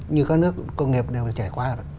như các nước công nghiệp đều trải qua rồi